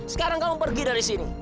sekarang kamu pergi dari sini